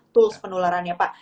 tools penularannya pak